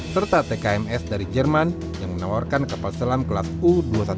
serta tkms dari jerman yang menawarkan kapal selam kelas u dua ratus dua belas